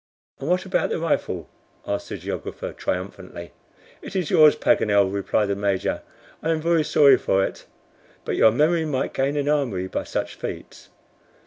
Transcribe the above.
"And what about the rifle?" asked the geographer, triumphantly. "It is yours, Paganel," replied the Major, "and I am very sorry for it; but your memory might gain an armory by such feats."